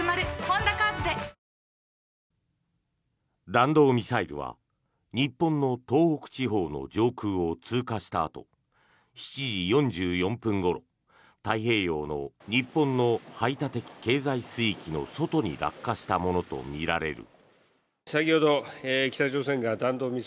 弾道ミサイルは、日本の東北地方の上空を通過したあと７時４４分ごろ、太平洋の日本の排他的経済水域の外に落下したものとみられる。